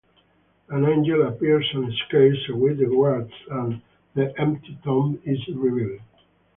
An angel appears and scares away the guards, and the empty tomb is revealed.